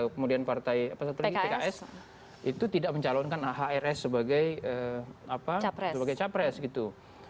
kemudian partai apa strategi pks itu tidak mencalonkan ahrs sebagai capres gitu